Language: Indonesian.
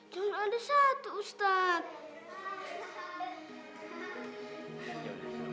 jangan ada satu ustadz